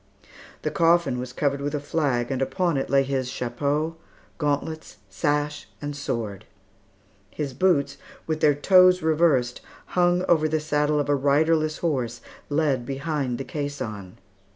The coffin was covered with a flag, and upon it lay his chapeau, gauntlets, sash, and sword. His boots, with their toes reversed, hung over the saddle of a riderless horse, led behind the caisson.